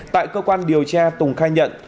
tại cơ quan điều tra tùng khai nhận